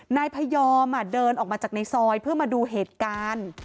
นายพยอมเดินออกมาจากในซอยเพื่อมาดูเหตุการณ์